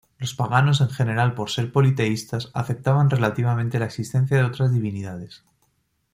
Los paganos en general por ser politeístas, aceptaban relativamente la existencia de otras divinidades.